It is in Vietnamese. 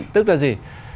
tức là gì